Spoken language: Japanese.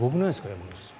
山口さん。